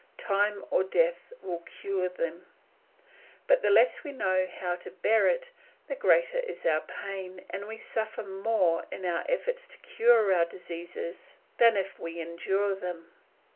Time or death will cure them, but the less we know how to bear it, the greater is our pain, and we suffer more in our efforts to cure our diseases than if we endured them.